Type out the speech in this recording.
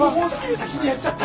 先にやっちゃった。